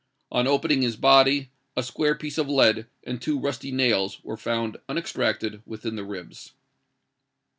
On opening his body, a square piece of lead and two rusty nails were found unextracted within the ribs.